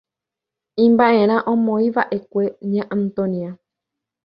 Imba'erã omoĩva'ekue Ña Antonia.